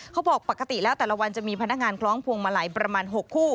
ปกติแล้วแต่ละวันจะมีพนักงานคล้องพวงมาลัยประมาณ๖คู่